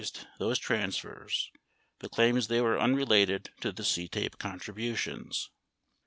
741 those transfers but claims they were unrelated to the CTAPE con tributions.